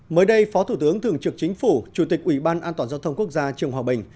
mới đây phó thủ tướng thường trực chính phủ chủ tịch ủy ban an toàn giao thông quốc gia trường hòa bình